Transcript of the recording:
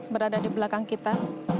berada di belakang kita